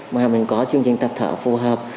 mà mình có chương trình tập thở phù hợp